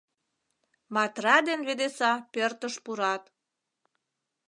Матра ден Ведеса пӧртыш пурат.